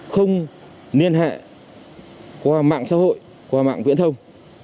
không liên hệ qua mạng xã hội qua mạng viễn thông